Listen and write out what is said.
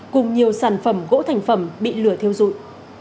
cùng nhiều sản phẩm gỗ thành phẩm bị lửa theo dụi